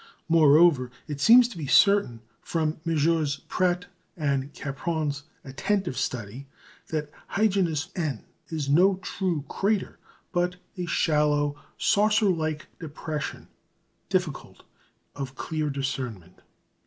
Moreover, it seems to be certain, from Messrs. Pratt and Capron's attentive study, that "Hyginus N." is no true crater, but a shallow, saucer like depression, difficult of clear discernment.